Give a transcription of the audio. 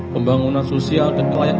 pembangunan sosial dan kelayak